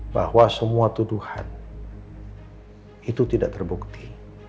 bahwa semua tuduhan itu tidak terbukti